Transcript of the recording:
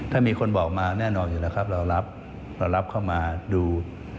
ถ้ามีคนบอกมาแน่นอนอยู่นะครับเรารับเข้ามาดู